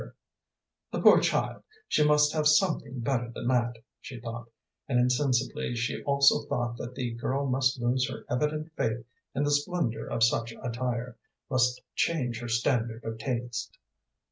"The poor child, she must have something better than that," she thought, and insensibly she also thought that the girl must lose her evident faith in the splendor of such attire; must change her standard of taste.